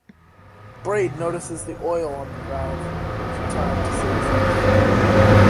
Brade notices the oil on the valve in time to save his life.